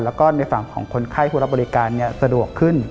แล้วก็ในฝั่งของคนไข้ผู้รับบริการสะดวกขึ้น